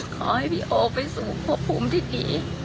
ขอให้พี่โอไปสู่ควบคุมที่ดี